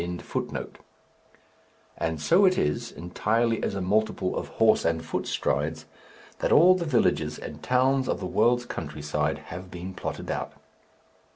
And so it is, entirely as a multiple of horse and foot strides, that all the villages and towns of the world's country side have been plotted out.